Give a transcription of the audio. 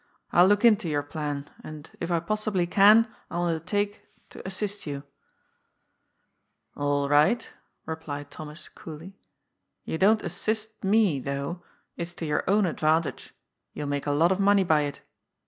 I'll look into your plan, and, if I possibly can, I'll undertake to assist you." 276 GOD'S POOL. " All right," replied Thomas coolly. " You don't assist me, though. It's to your own advantage. You'll make a lot of money by it.